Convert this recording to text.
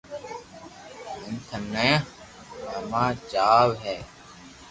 ھين ٿني ھماجاو